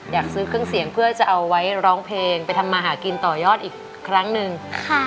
อยากซื้อเครื่องเสียงเพื่อจะเอาไว้ร้องเพลงไปทำมาหากินต่อยอดอีกครั้งหนึ่ง